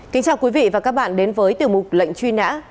kính chào quý vị và các bạn đến với tiểu mục lệnh truy nã